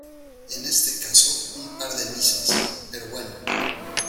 en este caso un par de misas, pero bueno...